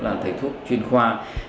là thầy thuốc chuyên khoa